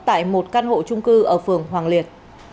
tại một căn hộ trung cư ở phường hoàng liệt